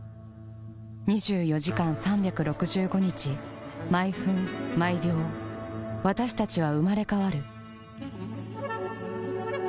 ２４時間３６５日毎分毎秒私たちは生まれ変わる